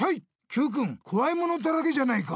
Ｑくんこわいものだらけじゃないか！